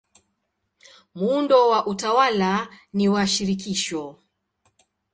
Muundo wa utawala ni wa shirikisho.